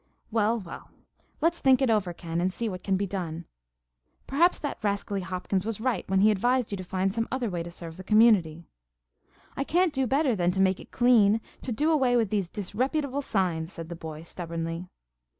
"Well, well, let's think it over, Ken, and see what can be done. Perhaps that rascally Hopkins was right when he advised you to find some other way to serve the community." "I can't do better than to make it clean to do away with these disreputable signs," said the boy, stubbornly.